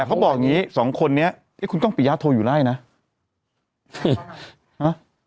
เขาบอกอย่างงี้สองคนนี้เอ๊ะคุณก้องปิยะโทรอยู่ไล่นะ